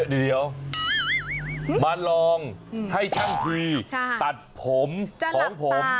เดี๋ยวมาลองให้ช่างทีตัดผมของผม